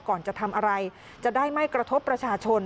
ก่อนจะทำอะไรจะได้ไม่กระทบประชาชน